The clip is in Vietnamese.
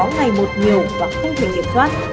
ngày một nhiều và không thể kiểm soát